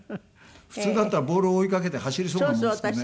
普通だったらボール追いかけて走りそうなものですけどね。